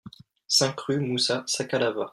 cinq rue Moussa Sakalava